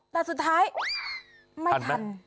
แต่สุดท้ายไม่ทัน